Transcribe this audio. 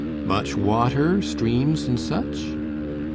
"Much water, streams, and such?"